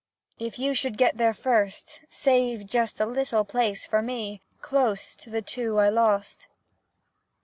If you should get there first, Save just a little place for me Close to the two I lost!